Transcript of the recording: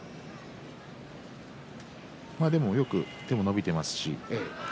でも、よく手も伸びています。